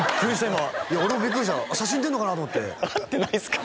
今俺もビックリした写真出るのかなと思って会ってないんすか？